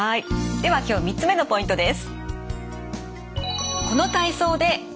では今日３つ目のポイントです。